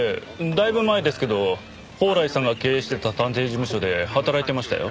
だいぶ前ですけど宝来さんが経営してた探偵事務所で働いてましたよ。